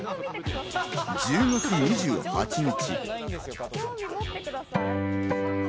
１０月２８日。